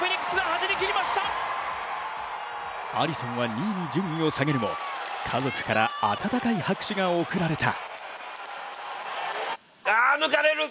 アリソンは２位に順位を下げるも家族から温かい拍手が送られた。